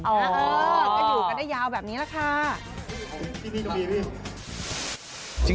เออก็อยู่กันได้ยาวแบบนี้แหละค่ะ